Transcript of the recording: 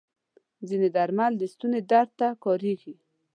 ځینې درمل د ستوني درد ته کارېږي.